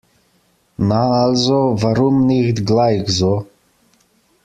Na also, warum nicht gleich so?